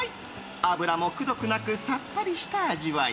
脂も、くどくなくさっぱりした味わい。